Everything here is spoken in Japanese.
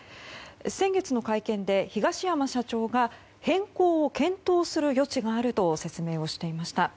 先月の会見で東山社長が変更を検討する余地があると説明をしていました。